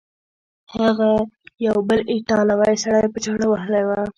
هغه یو بل ایټالوی سړی په چاړه وهلی و.